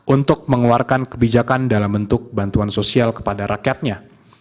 untuk mengeluarkan kebijakan dalam bentuk bantuan sosial kepada rakyatnya